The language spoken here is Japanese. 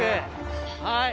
はい。